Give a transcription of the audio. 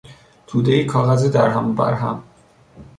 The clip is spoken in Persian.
تودهای کاغذ درهم و برهم